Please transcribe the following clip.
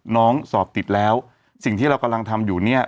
สอบติดแล้วสิ่งที่เรากำลังทำอยู่เนี่ย